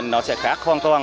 nó sẽ khác hoàn toàn